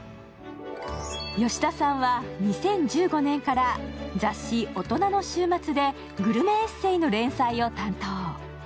吉田さんは２０１５年から雑誌「おとなの週末」でグルメエッセーの連載を担当。